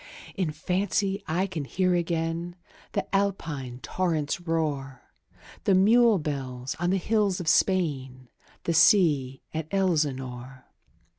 In fancy I can hear again The Alpine torrent's roar, The mule bells on the hills of Spain, 15 The sea at Elsinore.